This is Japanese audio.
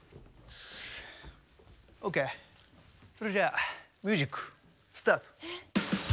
オーケーそれじゃミュージックスタート！